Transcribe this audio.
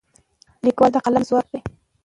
لیکوال د قلم ځواک لري.